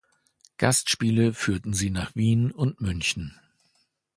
Gastspiele führten sie nach Wien und München.